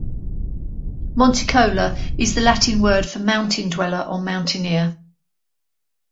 "Monticola" is the Latin word for mountain-dweller or mountaineer.